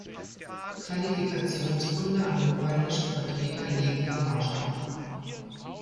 Qualifikationsrunde an dem polnischen Vertreter Legia Warschau.